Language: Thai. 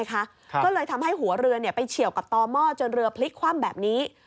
ก็เลยทำให้หัวเรือไปเฉียวกับต่อหม้อจนเรือพลิกคว่ำแบบนี้